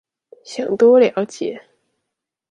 想多了解